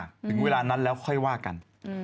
ถึงเวลานั้นแล้วค่อยว่ากัน